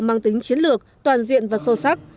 mang tính chiến lược toàn diện và sâu sắc